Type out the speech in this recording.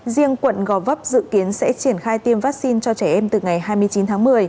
riêng quận gò vấp dự kiến sẽ triển khai tiêm vaccine cho trẻ em từ ngày hai mươi chín tháng một mươi